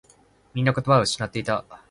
みんな言葉を失っていた。